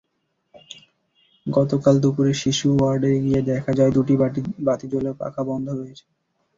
গতকাল দুপুরে শিশু ওয়ার্ডে গিয়ে দেখা যায়, দুটি বাতি জ্বললেও পাখা বন্ধ রয়েছে।